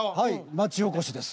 町おこしです。